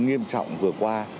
nghiêm trọng vừa qua